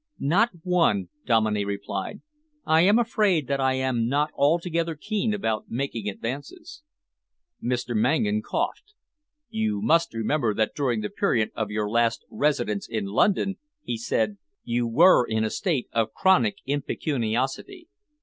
"Not one," Dominey replied. "I am afraid that I am not altogether keen about making advances." Mr. Mangan coughed. "You must remember that during the period of your last residence in London," he said, "you were in a state of chronic impecuniosity.